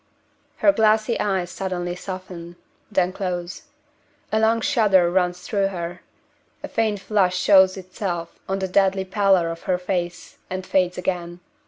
Her glassy eyes suddenly soften then close. A long shudder runs through her. A faint flush shows itself on the deadly pallor of her face, and fades again.